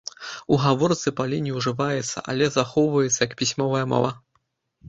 У гаворцы палі не ўжываецца, але захоўваецца як пісьмовая мова.